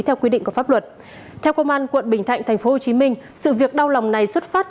theo quy định của pháp luật theo công an quận bình thạnh tp hcm sự việc đau lòng này xuất phát